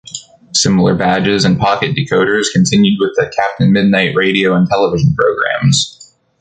Similar badges and pocket decoders continued with the "Captain Midnight" radio and television programs.